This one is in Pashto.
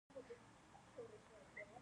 د غزني په رشیدان کې د سرو زرو نښې شته.